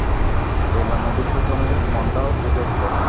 এইবার মধুসূদনের মনটা ঝেঁকে উঠল।